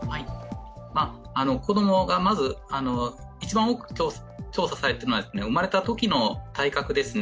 子供がまず一番多く調査されたのは生まれたときの体格ですね。